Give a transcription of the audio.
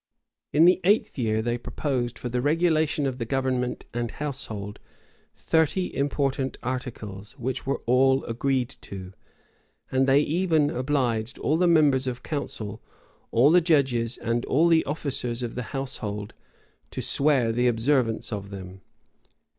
[] In the eighth year, they proposed, for the regulation of the government and household, thirty important articles, which were all agreed to; and they even obliged all the members of council, all the judges, and all the officers of the household, to swear to the observance of them.